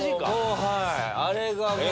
はいあれがもう。